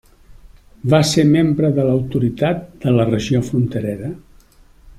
Va ser membre de l'Autoritat de la Regió Fronterera.